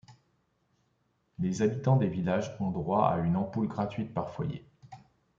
Les habitants des villages ont droit à une ampoule gratuite par foyer.